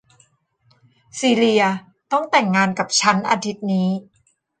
ซีเลียต้องแต่งงานกับฉันอาทิตย์นี้